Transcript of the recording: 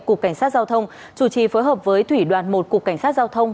cục cảnh sát giao thông chủ trì phối hợp với thủy đoàn một cục cảnh sát giao thông